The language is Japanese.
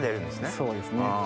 そうですね。